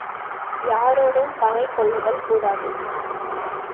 யாரொடும் பகை கொள்ளுதல் கூடாது.